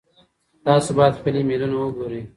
تاسو باید خپل ایمیلونه وګورئ.